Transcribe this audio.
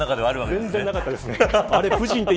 全然なかったですね。